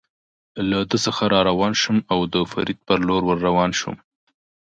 له ده څخه را روان شوم، د او فرید په لور ور روان شوم.